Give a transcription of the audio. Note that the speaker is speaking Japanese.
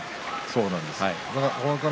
そうなんです。